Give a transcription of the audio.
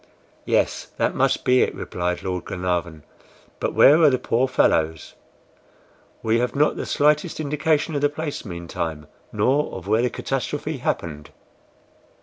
'" "Yes, that must be it," replied Lord Glenarvan. "But where are the poor fellows? We have not the slightest indication of the place, meantime, nor of where the catastrophe happened."